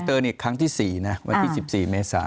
คอร์เซ็นเตอร์นี่ครั้งที่๔นะวันที่๑๔เมษา